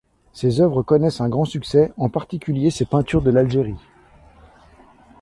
Ses œuvres connaissent un grand succès, en particulier ses peintures de l'Algérie.